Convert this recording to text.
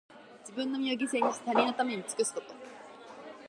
自分の身を犠牲にして、他人のために尽くすこと。